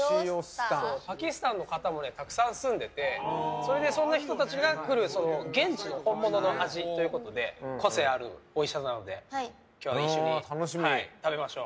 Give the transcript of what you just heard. パキスタンの方もたくさん住んでいたそんな人たちが来る現地、本物の味ということで個性あるカレーを今日は一緒に食べましょう。